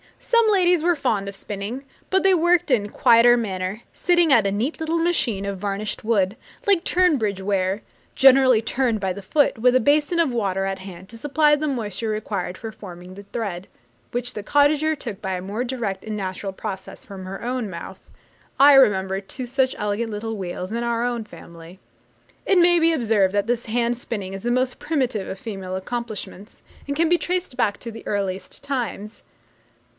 Some ladies were fond of spinning, but they worked in a quieter manner, sitting at a neat little machine of varnished wood, like Tunbridge ware, generally turned by the foot, with a basin of water at hand to supply the moisture required for forming the thread, which the cottager took by a more direct and natural process from her own mouth. I remember two such elegant little wheels in our own family. It may be observed that this hand spinning is the most primitive of female accomplishments, and can be traced back to the earliest times.